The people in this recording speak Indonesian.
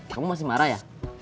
kamu masih marah ya